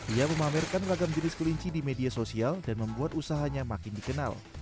ia memamerkan ragam jenis kelinci di media sosial dan membuat usahanya makin dikenal